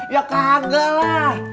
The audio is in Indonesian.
ya kagak lah